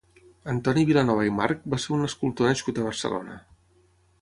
Antoni Vilanova i March va ser un escultor nascut a Barcelona.